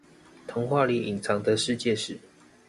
童話裡隱藏的世界史